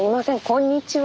こんにちは。